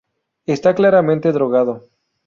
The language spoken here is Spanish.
Está claramente drogado.